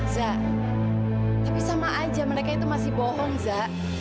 zah tapi sama aja mereka itu masih bohong za